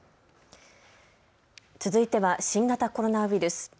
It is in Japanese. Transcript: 続いては新型コロナウイルス。